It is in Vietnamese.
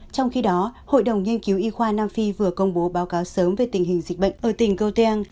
trong khi đó hội đồng nghiên cứu y khoa nam phi vừa công bố báo cáo sớm về tình hình dịch bệnh ở tỉnh goltiang